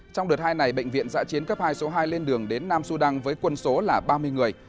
trong đợt hai này bệnh viện giã chiến cấp hai số hai lên đường đến nam sudan với quân số là ba mươi người